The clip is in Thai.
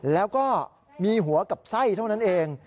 แล้วก็มีหัวกับไส้เท่านั้นเอง